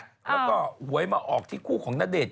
แล้วก็หวยมาออกที่คู่ของณเดชน